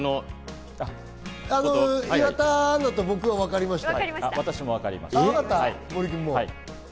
岩田アナと僕は分かりました。